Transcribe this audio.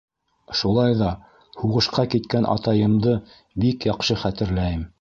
Шулай ҙа һуғышҡа киткән атайымды бик яҡшы хәтерләйем.